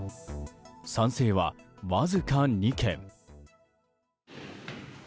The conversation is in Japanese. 賛成は、わずか２件。